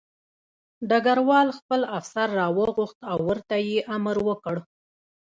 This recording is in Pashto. ډګروال خپل افسر راوغوښت او ورته یې امر وکړ